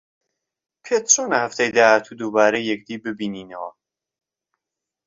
پێت چۆنە هەفتەی داهاتوو دووبارە یەکدی ببینینەوە؟